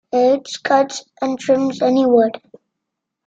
A lathe cuts and trims any wood.